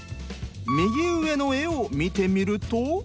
右上の絵を見てみると。